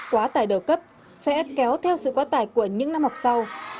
quá tài đầu cấp sẽ kéo theo sự quá tài của những năm học sau